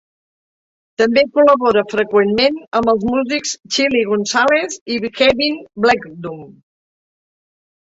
També col·labora freqüentment amb els músics Chilly Gonzales i Kevin Blechdom.